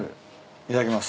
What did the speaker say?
いただきます。